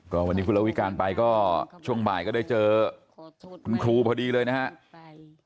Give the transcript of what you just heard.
ก็วันนี้คุณละวิการไปก็ช่วงบ่ายก็ได้เจอคุณครูพอดีเลยนะครับ